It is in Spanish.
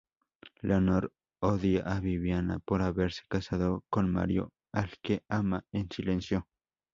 Leonor odia a Viviana por haberse casado con Mario, al que ama en silencio.